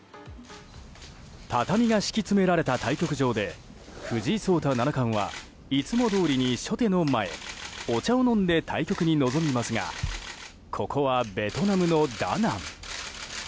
畳が敷き詰められた対局場で藤井聡太七冠はいつもどおりに初手の前お茶を飲んで対局に臨みますがここは、ベトナムのダナン。